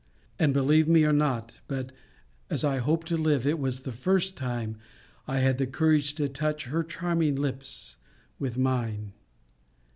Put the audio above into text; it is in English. And, believe me, or not, but, as I hope to live, it was the first time I had the courage to touch her charming lips with mine.